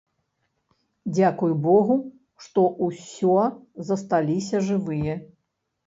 Дзякуй богу, што ўсё засталіся жывыя.